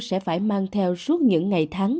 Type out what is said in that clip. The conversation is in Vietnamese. sẽ phải mang theo suốt những ngày tháng